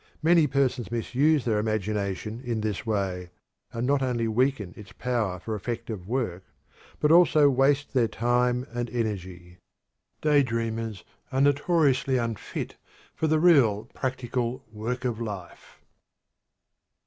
Many persons misuse their imagination in this way and not only weaken its power for effective work but also waste their time and energy. Daydreams are notoriously unfit for the real, practical work of life.